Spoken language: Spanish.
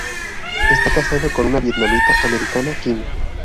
Está casado con una vietnamita americana, Kim.